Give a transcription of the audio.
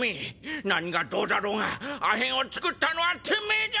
何がどうだろうがアヘンを作ったのはてめえだ！